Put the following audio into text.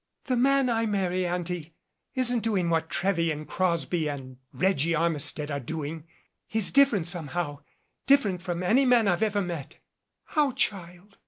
The man I marry, Auntie, isn't doing what Trewy and Crosby and Reggie Armistead are doing. He's different somehow different from any man I've ever met." "How, child?"